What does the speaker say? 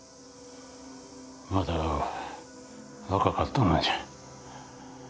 まだ若かったのに。